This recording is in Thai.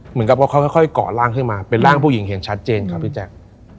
เหมือนกับว่าเขาค่อยก่อร่างขึ้นมาเป็นร่างผู้หญิงเห็นชัดเจนครับพี่แจ๊ค